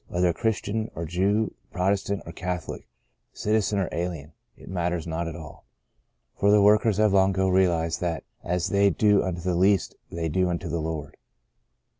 Whether Christian or Jew, Protestant or Catholic, cit izen or alien — it matters not at all. For the workers have long ago realized that as they do unto the least they do unto our Lord.